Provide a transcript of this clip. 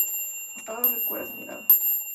Hasta ahora recuerda esa mirada.